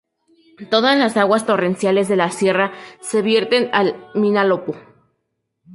Todas las aguas torrenciales de la sierra se vierten al Vinalopó.